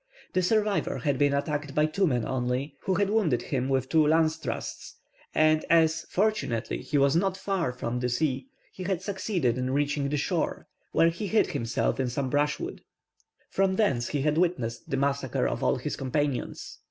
The survivor had been attacked by two men only, who had wounded him with two lance thrusts, and as, fortunately, he was not far from the sea, he had succeeded in reaching the shore, where he hid himself in some brushwood. From thence he had witnessed the massacre of all his companions.